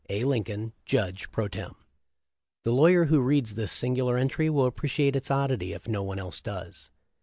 A. Lincoln, Judge pro tern/ >: The lawyer who reads this singular entry will appreciate its oddity if no one else does.